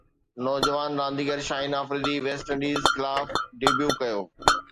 نوجوان رانديگر Shaheen Afridi West Indies خلاف ڊيبيو ڪيو